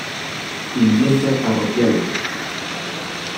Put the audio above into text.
Iglesia parroquial.